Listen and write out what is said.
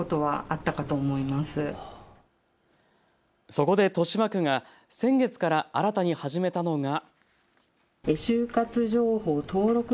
そこで豊島区が先月から新たに始めたのが。